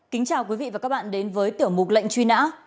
kính chào quý vị và các bạn đến với tiểu mục lệnh truy nã